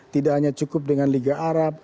tidak hanya cukup dengan liga arab